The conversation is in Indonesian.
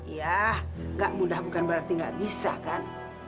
iya gak mudah bukan berarti gak bisa kan